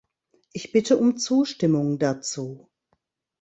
Ich bitte um Zustimmung dazu.